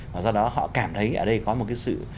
và do đó họ cảm thấy ở đây có một cái sự